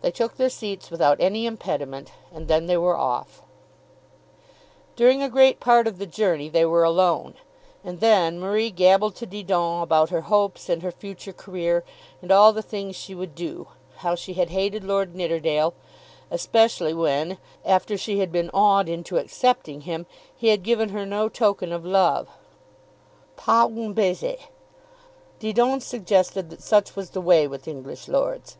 They took their seats without any impediment, and then they were off. During a great part of the journey they were alone, and then Marie gabbled to Didon about her hopes and her future career, and all the things she would do; how she had hated Lord Nidderdale; especially when, after she had been awed into accepting him, he had given her no token of love; "pas un baiser!" Didon suggested that such was the way with English lords.